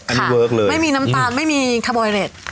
อันนี้เวิร์คเลยไม่มีน้ำตาลไม่มีคาบอยเร็ด